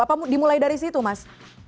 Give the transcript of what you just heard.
apa dimulai dari situ mas